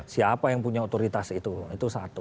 siapa yang punya otoritas itu itu satu